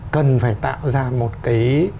cần phải tạo ra một cái